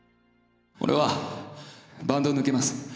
俺はバンドを抜けます。